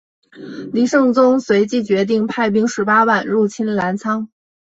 黎圣宗随即决定派兵十八万入侵澜沧。